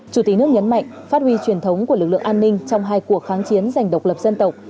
chủ tịch nước nhấn mạnh phát huy truyền thống của lực lượng an ninh trong hai cuộc kháng chiến dành độc lập dân tộc